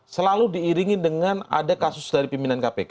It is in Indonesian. selalu diiringi dengan ada kasus dari pimpinan kpk